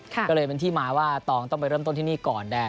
ก็เลยเป็นที่มาว่าตองต้องไปเริ่มต้นที่นี่ก่อนแดง